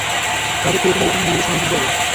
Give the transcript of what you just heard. তারপর চিরচেনা বিছানায় নিজেদের সমর্পণ করব!